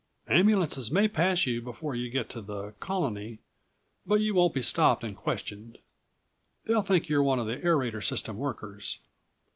Ambulances may pass you before you get to the Colony, but you won't be stopped and questioned. They'll think you're one of the aeration system workers."